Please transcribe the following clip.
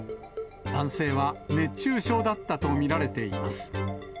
男性は熱中症だったと見られています。